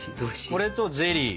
これとゼリー。